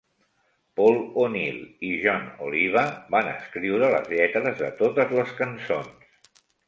Paul O'Neill i Jon Oliva van escriure les lletres de totes les cançons.